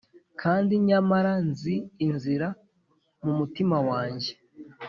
kandi nyamara nzi inzira mumutima wanjye